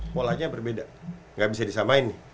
polanya berbeda nggak bisa disamain nih